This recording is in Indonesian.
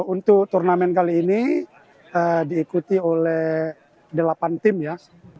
untuk turnamen kali ini diikuti oleh delapan tim ya